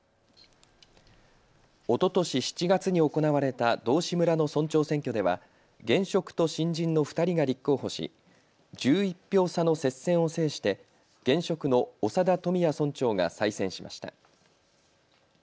おととし７月に行われた道志村の村長選挙では現職と新人の２人が立候補し１１票差の接戦を制して現職の長田富也村長が再選しました。